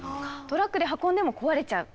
トラックで運んでも壊れちゃう。